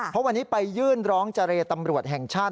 เพราะวันนี้ไปยื่นร้องเจรตำรวจแห่งชาติ